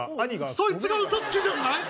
そいつがウソつきじゃない？